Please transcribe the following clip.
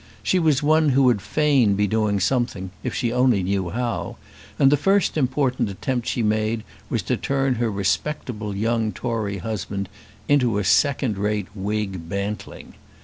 She was one who would fain be doing something if she only knew how, and the first important attempt she made was to turn her respectable young Tory husband into a second rate Whig bantling.